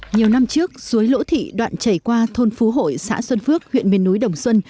nhiều năm trước suối lỗ thị đoạn chảy qua thôn phú hội xã xuân phước huyện miền núi đồng xuân